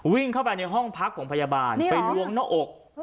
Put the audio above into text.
วิ่งเข้าไปในห้องพักของพยาบาลไปล้วงหน้าอก